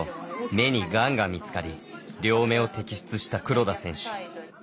目にがんが見つかり両目を摘出した黒田選手。